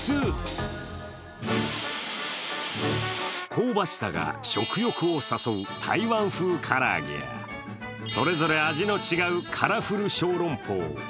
香ばしさが食欲を誘う台湾風唐揚げやそれぞれ味の違うカラフル小籠包。